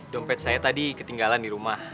dompet saya tadi ketinggalan di rumah